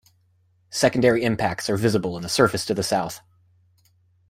Secondary impacts are visible in the surface to the south.